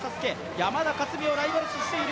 山田勝己をライバル視している。